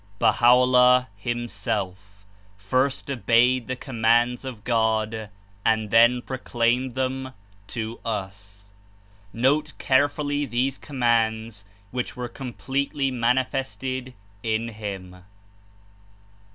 Baha'o'llah, himself, first obeyed the commands of God, and then proclaimed them to us. Note care fully these commands which were completely mani fested in him.